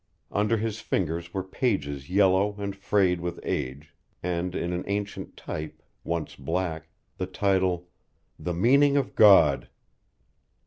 Under his fingers were pages yellow and frayed with age, and in an ancient type, once black, the title, The Meaning of God.